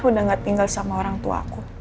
udah nggak tinggal sama orangtuaku